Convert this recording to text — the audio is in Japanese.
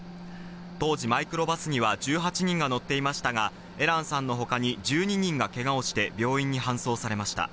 当時マイクロバスには１８人が乗っていましたが、エランさんのほかに１２人がけがをして病院に搬送されました。